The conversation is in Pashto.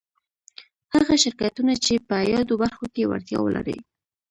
هغه شرکتونه چي په يادو برخو کي وړتيا ولري